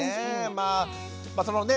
まあそのね